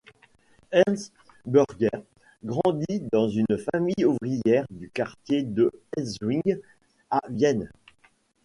Ernst Burger grandit dans une famille ouvrière du quartier de Hietzing à Vienne.